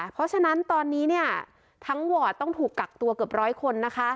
เพราะฉะนั้นตอนนี้ทั้งวอร์ดต้องถูกกักตัวเกือบร้อยคนนะคะ